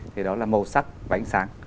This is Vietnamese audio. thì đó là màu sắc và ánh sáng